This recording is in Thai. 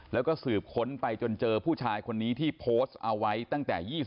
แล้วก็สืบค้นไปจนเจอผู้ชายคนนี้ที่โพสต์เอาไว้ตั้งแต่๒๐